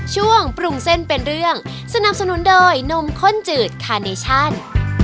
สวัสดีครับเชฟ